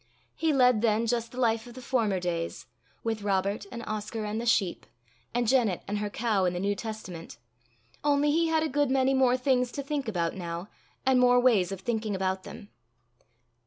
He led then just the life of the former days, with Robert and Oscar and the sheep, and Janet and her cow and the New Testament only he had a good many more things to think about now, and more ways of thinking about them.